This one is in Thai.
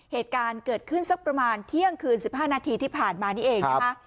เหตุการณ์เกิดขึ้นสักประมาณเที่ยงคืน๑๕นาทีที่ผ่านมานี่เองนะคะ